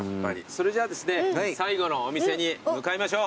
それじゃあですね最後のお店に向かいましょう。